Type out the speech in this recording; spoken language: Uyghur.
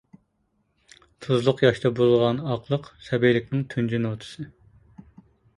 تۇزلۇق ياشتا بۇزۇلغان ئاقلىق، سەبىيلىكنىڭ تۇنجى نوتىسى.